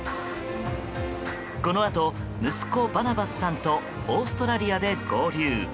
このあと、息子バナバスさんとオーストラリアで合流。